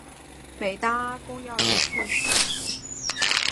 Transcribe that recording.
每当阿公要离去时